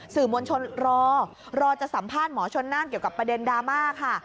มวลชนรอรอจะสัมภาษณ์หมอชนน่านเกี่ยวกับประเด็นดราม่าค่ะ